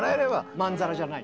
まんざらじゃない？